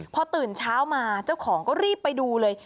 พอตื่นเช้ามาเจ้าของก็รีบไปดูเลย